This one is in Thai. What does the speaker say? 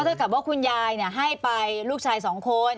ก็ถือกับว่าคุณยายให้ไปลูกชายสองคน